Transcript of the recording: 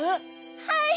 はい！